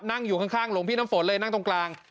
นั่งอยู่ข้างหลวงพี่น้ำฝนเลยนั่งตรงกลาง